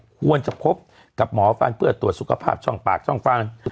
ควรจะพบกับหมอฟันเพื่อตรวจสุขภาพช่องปากช่องฟัน